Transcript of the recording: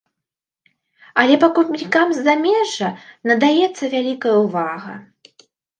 Але пакупнікам з замежжа надаецца вялікая ўвага.